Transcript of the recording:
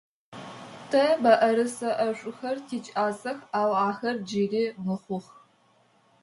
Тэ мыӏэрысэ ӏэшӏухэр тикӏасэх, ау ахэр джыри мыхъух.